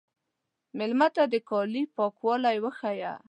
مېلمه ته د کالي پاکوالی وښیه.